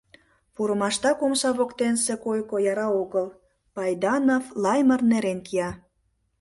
Пурымаштак омса воктенсе койко, яра огыл: Пайданов Лаймыр нерен кия.